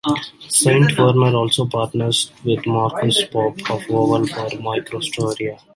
Saint Werner also partners with Markus Popp of Oval for Microstoria.